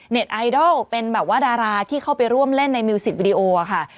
ไอดอลเป็นแบบว่าดาราที่เข้าไปร่วมเล่นในมิวสิกวิดีโอค่ะ